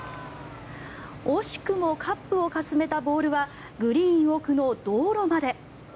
惜しくもカップをかすめたボールはグリーン奥の道路まで。